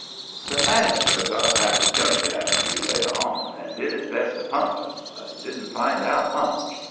The manager got after Jonadab and me later on, and did his best to pump us, but he didn't find out much.